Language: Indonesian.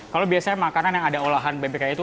kalau biasanya makanan yang ada olahan bebeknya itu